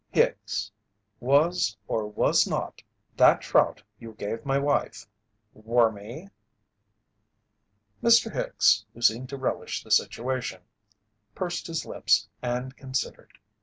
"Hicks, was, or was not, that trout you gave my wife, wormy?" Mr. Hicks, who seemed to relish the situation, pursed his lips and considered.